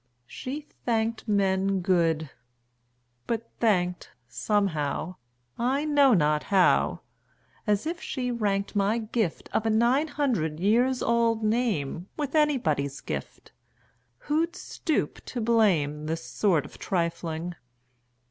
She thanked men good! but thanked Somehow I know not how as if she ranked My gift of a nine hundred years old name With anybody's gift. Who'd stoop to blame This sort of trifling?